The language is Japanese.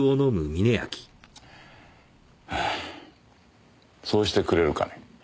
はあそうしてくれるかね。